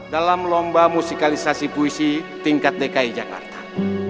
dalam lomba musikalisasi puisi tingkat dki jakarta